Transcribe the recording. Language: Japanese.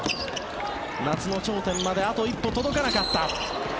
夏の頂点まであと一歩届かなかった。